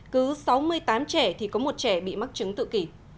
cứ sáu mươi tám trẻ thì có một trẻ bị mắc chứng tự kỷ